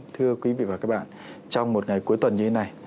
thưa quý vị và các bạn trong một ngày cuối tuần như thế này